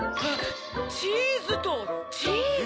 チーズとチーズ！